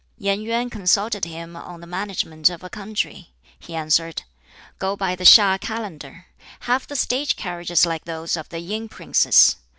Yen Yuen consulted him on the management of a country. He answered: "Go by the HiŠ Calendar. Have the State carriages like those of the Yin princes.